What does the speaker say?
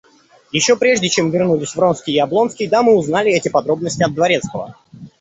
Еще прежде чем вернулись Вронский и Облонский, дамы узнали эти подробности от дворецкого.